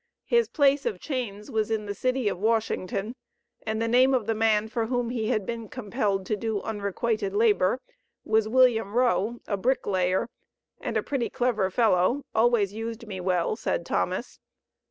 His place of chains was in the city of Washington, and the name of the man for whom he had been compelled to do unrequited labor was William Rowe, a bricklayer, and a "pretty clever fellow, always used me well," said Thomas.